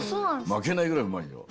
まけないぐらいうまいよ。